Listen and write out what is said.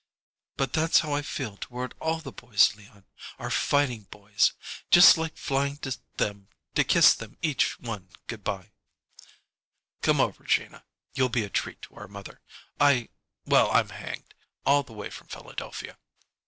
"But that's how I feel toward all the boys, Leon our fighting boys just like flying to them to kiss them each one good by." "Come over, Gina. You'll be a treat to our mother. I Well, I'm hanged! All the way from Philadelphia!"